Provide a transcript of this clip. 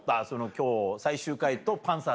「今日最終回とパンサーです」。